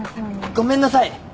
ごめんなさい！